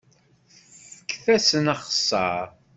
Fket-asen axeṣṣar.